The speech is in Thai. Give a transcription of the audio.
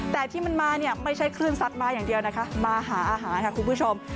แต่ที่มันมาเนี่ยไม่ใช่คลื่นซัดมาอย่างเดียวนะคะมาหาอาหารค่ะคุณผู้ชม